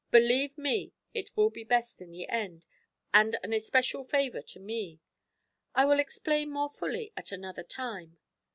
Believe me, it will be best in the end, and an especial favour to me. I will explain more fully at another time.'